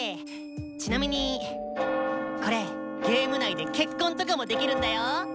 ちなみにこれゲーム内で結婚とかもできるんだよ。